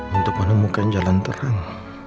untuk menemukan jalan terang